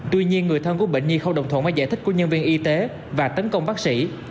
tuy nhiên người thân của bệnh nhi không đồng thuận với giải thích của nhân viên y tế và tấn công bác sĩ